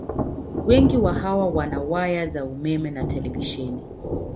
Wengi wa hawa wana waya za umeme na televisheni.